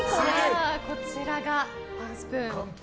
こちらがワンスプーン。